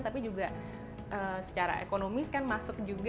tapi juga secara ekonomis kan masuk juga